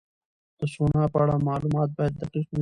د سونا په اړه معلومات باید دقیق وي.